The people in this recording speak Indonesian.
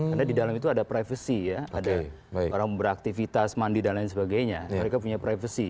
karena di dalam itu ada privasi ya ada orang beraktivitas mandi dan lain sebagainya mereka punya privasi